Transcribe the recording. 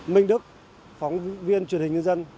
minh đức phóng viên truyền hình nhân dân